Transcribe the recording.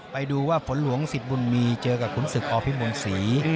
ไปดูว่าฝนหลวงสิทธิ์บุญมีเจอกับขุนศึกอพิมลศรี